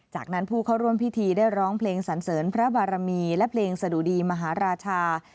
จากนั้นผู้เข้าร่วมพิธีได้ร้องเพลงสันเสริญพระบารมีและเพลงสะดุดีมหาราชา